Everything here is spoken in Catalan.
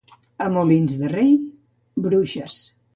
A Molins de Rei, bruixes.